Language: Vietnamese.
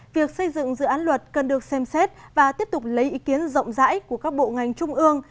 việc xây dựng dự án luật cần được xem xét và tiếp tục lấy ý kiến rộng rãi của các bộ ngành trung ương